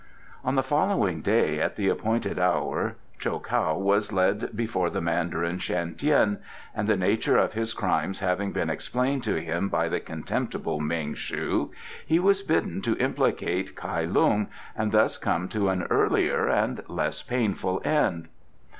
On the following day at the appointed hour Cho kow was led before the Mandarin Shan Tien, and the nature of his crimes having been explained to him by the contemptible Ming shu, he was bidden to implicate Kai Lung and thus come to an earlier and less painful end.